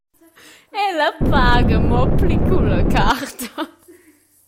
Ella paga mo pli culla carta.